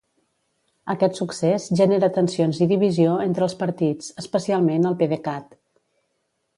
Aquest succés genera tensions i divisió entre els partits, especialment al PDeCAT.